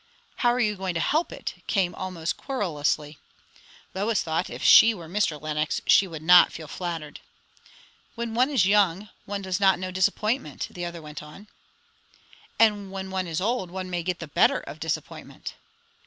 "How are you going to help it?" came almost querulously. Lois thought, if she were Mr. Lenox, she would not feel flattered. "When one is young, one does not know disappointment," the other went on. "And when one is old, one may get the better of disappointment."